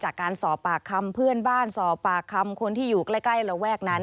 จากการสอบปากคำเพื่อนบ้านสอบปากคำคนที่อยู่ใกล้ระแวกนั้น